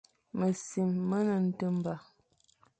Mesim me ne nteghba.